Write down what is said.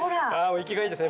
生きがいいですね。